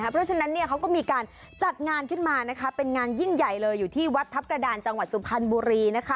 เพราะฉะนั้นเขาก็มีการจัดงานขึ้นมาเป็นงานยิ่งใหญ่เลยอยู่ที่วัดทัพกระดานจังหวัดสุพรรณบุรี